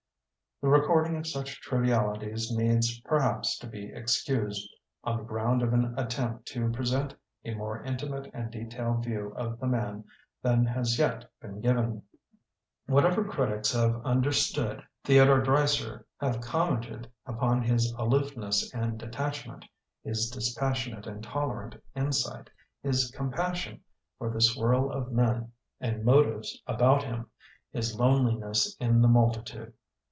The recording of such trivialities needs, perhaps, to be excused on the ground of an attempt to present a more intimate and detailed view of the man than has yet been given. Whatever critics have understood Theodore Dreiser have commented upon his aloofness and detachment, his dispassionate and tolerant insight, his compassion for the swirl of men and motives about him, his loneliness in the multitude.